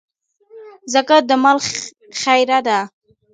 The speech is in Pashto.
زکات د مال خيره ده.